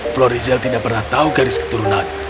flory zell tidak pernah tahu garis keturunan